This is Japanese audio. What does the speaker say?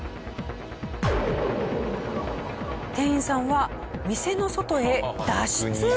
店員さんは店の外へ脱出！